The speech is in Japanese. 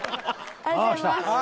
ありがとうございます！